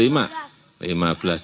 lima belas tambah lima belas